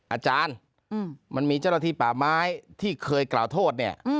อาจารย์มันมีเจ้าหน้าที่ป่าไม้ที่เคยกล่าวโทษเนี่ย